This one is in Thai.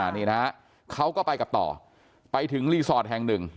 นี่นะฮะเขาก็ไปกับต่อไปถึงรีสอร์ทแห่งหนึ่ง